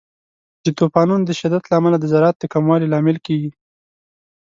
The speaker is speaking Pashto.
د طوفانونو د شدت له امله د زراعت د کموالي لامل کیږي.